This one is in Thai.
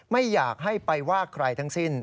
ไม่อยากให้ไปว่าใครทั้งสิ้น